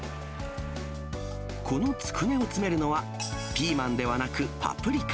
このつくねを詰めるのは、ピーマンではなく、パプリカ。